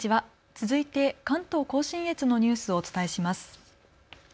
続いて関東甲信越のニュースをお伝えします。